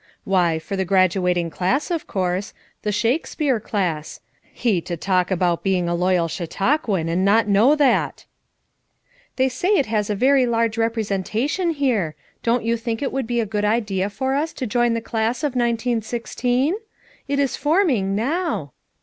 Why, for the graduating class of course; the Shakespeare class; he to talk about heing a loyal Chautauquan and not know that ! "They say it has a very large representation here. Don't you think it would be a good idea for us to join the class of 1916? It is forming now.